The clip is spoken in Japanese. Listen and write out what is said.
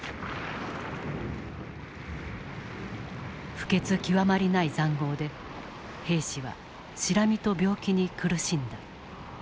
不潔極まりない塹壕で兵士はシラミと病気に苦しんだ。